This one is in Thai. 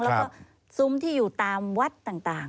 แล้วก็ซุ้มที่อยู่ตามวัดต่าง